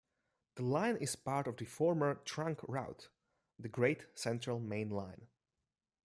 The line is part of the former trunk route, the Great Central Main Line.